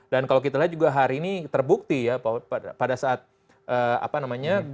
dan kalau kita lihat juga hari ini terbukti ya pada saat apa namanya